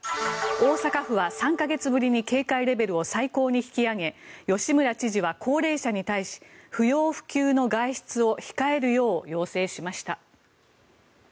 大阪府は３か月ぶりに警戒レベルを最高に引き上げ吉村知事は高齢者に対し不要不急の外出を控えるよう要請しました。